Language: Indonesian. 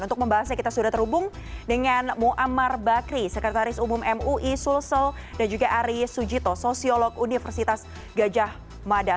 untuk membahasnya kita sudah terhubung dengan muammar bakri sekretaris umum mui sulsel dan juga ari sujito sosiolog universitas gajah mada